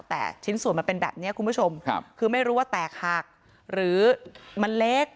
แต่ชิ้นส่วนมันเป็นแบบนี้คุณผู้ชมคือไม่รู้ว่าแตกหักหรือมันเล็ก